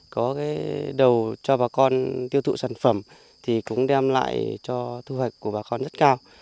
có cái đầu cho bà con tiêu thụ sản phẩm thì cũng đem lại cho thu hoạch của bà con rất cao